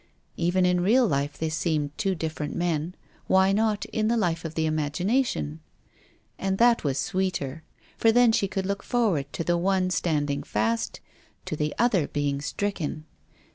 Even in real life they seemed two different men. Why not in the life of the imagination? And that was sweeter, for then she could look forward to the one stand ing fast, to the other being stricken.